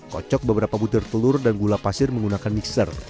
kocok beberapa butir telur dan gula pasir menggunakan mixer